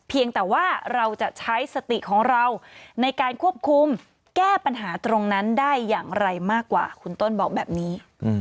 เพียงแต่ว่าเราจะใช้สติของเราในการควบคุมแก้ปัญหาตรงนั้นได้อย่างไรมากกว่าคุณต้นบอกแบบนี้